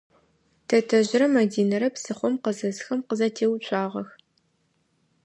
Тэтэжърэ Мадинэрэ псыхъом къызэсхэм къызэтеуцуагъэх.